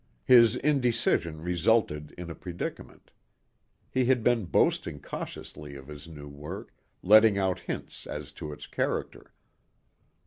His indecision resulted in a predicament. He had been boasting cautiously of his new work, letting out hints as to its character.